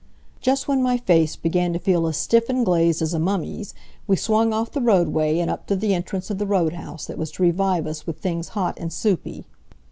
Just when my face began to feel as stiff and glazed as a mummy's, we swung off the roadway and up to the entrance of the road house that was to revive us with things hot and soupy.